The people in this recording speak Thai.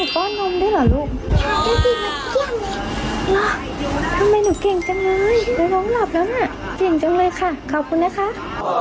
อ๋อทำไมหนูเก่งจังนะเดี๋ยวน้องหลับแล้วนะเก่งจังเลยค่ะขอบคุณนะครับ